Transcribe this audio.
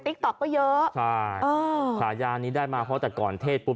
ต๊อกก็เยอะใช่เออฉายานี้ได้มาเพราะแต่ก่อนเทศปุ๊